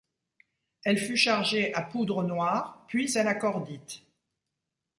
Elle fut chargée à poudre noire puis à la cordite.